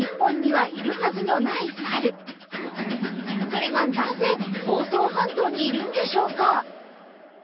それがなぜ房総半島にいるんでしょうか？